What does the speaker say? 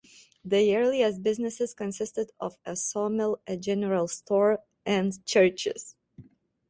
The earliest businesses consisted of a sawmill, a general store, and churches.